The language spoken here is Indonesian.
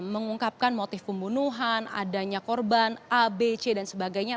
mengungkapkan motif pembunuhan adanya korban abc dan sebagainya